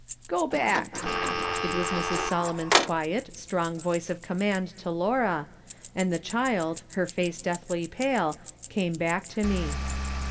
" Go back !" It was Mrs. Solomon's quiet, strong voice of command to Laura, and the child, her face deathly pale, came back to me.